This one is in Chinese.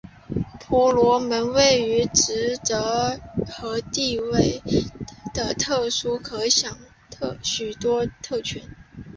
婆罗门由于职责和地位的特殊可享有许多特权。